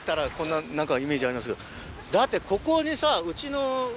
だってここにさ。